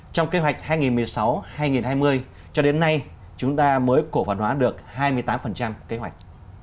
trong kế hoạch hai nghìn một mươi sáu hai nghìn hai mươi cho đến nay chúng ta mới cổ phần hóa được hai mươi tám kế hoạch